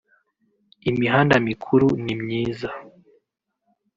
Imihanda mikuru ni myiza